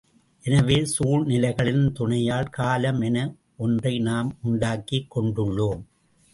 எனவே சூழ்நிலைகளின் துணையால் காலம் என ஒன்றை நாம் உண்டாக்கிக் கொண்டுள்ளோம்.